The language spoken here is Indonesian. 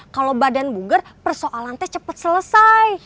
kalau badan buger persoalan teh cepat selesai